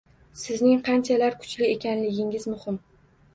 Sizning qanchalar kuchli ekanliginiz muhim.